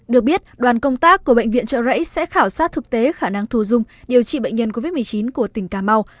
được biết đoàn công tác của bệnh viện trợ rẫy sẽ khảo sát thực tế khả năng thù dung điều trị bệnh nhân covid một mươi chín của tỉnh cà mau